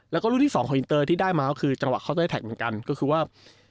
แล้วก็รุ่นที่สองของอินเตอร์ที่ได้มาก็คือจังหวะเคานเตอร์แท็กเหมือนกันก็คือว่า